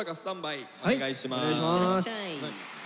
いってらっしゃい！